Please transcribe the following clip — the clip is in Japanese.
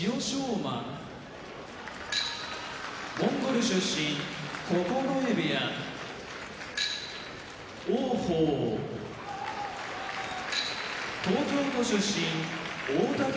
馬モンゴル出身九重部屋王鵬東京都出身大嶽部屋